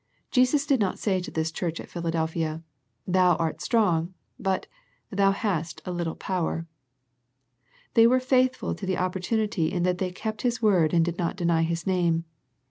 Jesus did not say to this church at Philadelphia, Thou art strong, but " Thou hast a little power." But they were faithful to the oppor tunity in that they kept His word and did not deny His name.